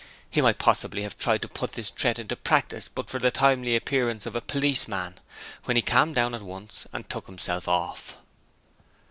He might possibly have tried to put this threat into practice but for the timely appearance of a policeman, when he calmed down at once and took himself off.